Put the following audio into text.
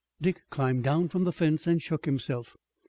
Dick climbed down from the fence and shook himself.